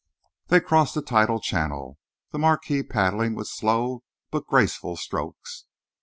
They crossed the tidal channel, the Marquis paddling with slow but graceful strokes.